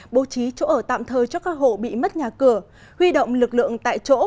bố trí chỗ ở tạm thời cho các hộ bị mất nhà cửa huy động lực lượng tại chỗ